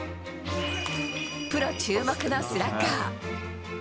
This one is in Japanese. プロ注目のスラッガー。